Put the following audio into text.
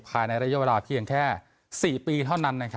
ภายในระยะเวลาเพียงแค่๔ปีเท่านั้น